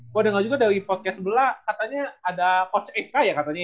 gue dengar juga dari podcast sebelas katanya ada coach eka ya katanya